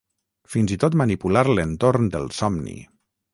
fins i tot manipular l'entorn del somni